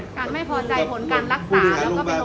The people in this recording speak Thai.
การไม่พอใจผลการรักษาแล้วก็เป็นโรงพยาบาล